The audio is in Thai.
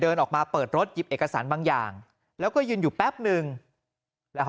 เดินออกมาเปิดรถหยิบเอกสารบางอย่างแล้วก็ยืนอยู่แป๊บนึงแล้วเขา